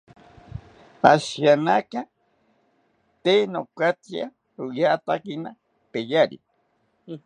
Ashiyanaka tee nokatziya, royatatyana peyari